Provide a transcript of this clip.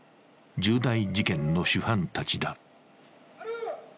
重大事件の主犯たちだ。